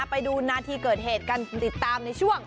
ไปดูนาทีเกิดเหตุกันติดตามในช่วง